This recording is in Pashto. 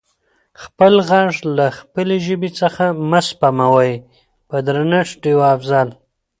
خپل غږ له خپلې ژبې څخه مه سپموٸ په درنښت ډیوه افضل🙏